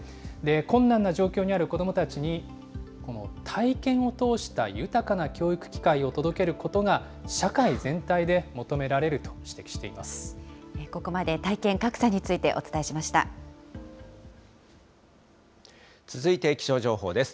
困難な状況にある子どもたちに、この体験を通した豊かな教育機会を届けることが、社会全体で求めここまで、体験格差について続いて気象情報です。